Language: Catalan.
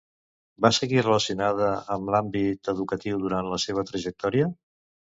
Va seguir relacionada amb l'àmbit educatiu durant la seva trajectòria?